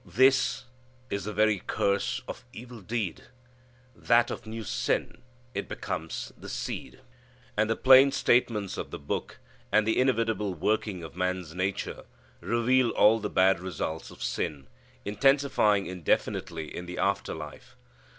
"This is the very curse of evil deed, That of new sin it becomes the seed." And the plain statements of the Book, and the inevitable working of man's nature, reveal all the bad results of sin intensifying indefinitely in the after life.